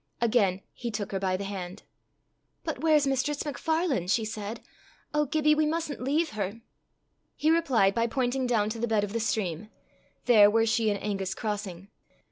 Again he took her by the hand. "But where's Mistress MacFarlane?" she said. "Oh, Gibbie! we mustn't leave her." He replied by pointing down to the bed of the stream: there were she and Angus crossing.